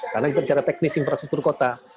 karena itu secara teknis infrastruktur kota